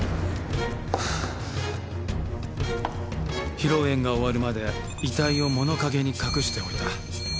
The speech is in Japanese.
披露宴が終わるまで遺体を物陰に隠しておいた。